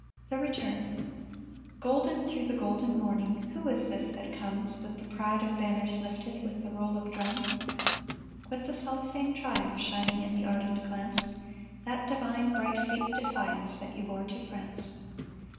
THE RETURN Golden through the golden morning, Who is this that comes With the pride of banners lifted, With the roll of drums? With the self same triumph shining In the ardent glance, That divine, bright fate defiance That you bore to France.